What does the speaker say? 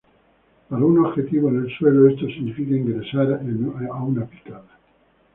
Para un objetivo en el suelo, esto significa ingresar a una picada.